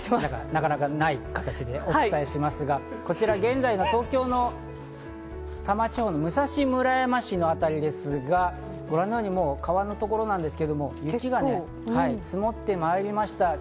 なかなかない形でお伝えしますが、こちら現在の東京の多摩地方の武蔵村山市あたりですが、ご覧のように川のところなんですが、雪が積もってまいりました。